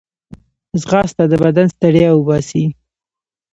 ځغاسته د بدن ستړیا وباسي